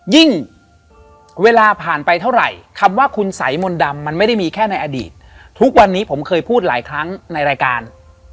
ยิ่งเวลาผ่านไปเท่าไหร่คำว่าคุณสัยมนต์ดำมันไม่ได้มีแค่ในอดีตทุกวันนี้ผมเคยพูดหลายครั้งในรายการ